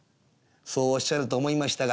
「そうおっしゃると思いましたが。